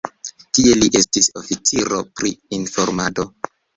Tie li estis oficiro pri informado.